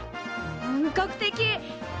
本格的！え